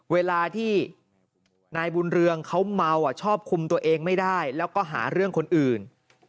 เวลาที่นายบุญเรืองเขาเมาชอบคุมตัวเองไม่ได้แล้วก็หาเรื่องคนอื่น